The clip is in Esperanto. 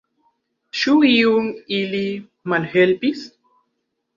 Ĉu iun ili malhelpis?